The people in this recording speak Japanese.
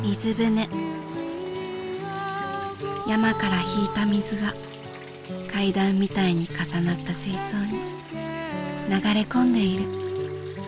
山から引いた水が階段みたいに重なった水槽に流れ込んでいる。